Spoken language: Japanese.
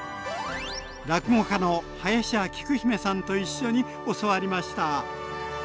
落語家の林家きく姫さんと一緒に教わりました。